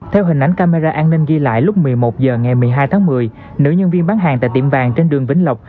theo hình ảnh camera an ninh ghi lại lúc một mươi một h ngày một mươi hai tháng một mươi nữ nhân viên bán hàng tại tiệm vàng trên đường vĩnh lộc